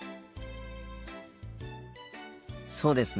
そうですね。